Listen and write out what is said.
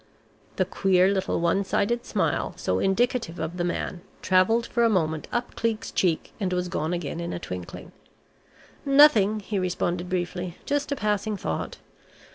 The queer little one sided smile, so indicative of the man, travelled for a moment up Cleek's cheek and was gone again in a twinkling. "Nothing," he responded briefly. "Just a passing thought.